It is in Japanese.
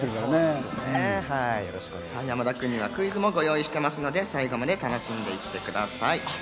山田君にはクイズもご用意していますので、最後まで楽しんでいってください。